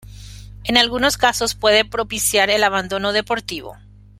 En algunos casos puede propiciar el abandono deportivo.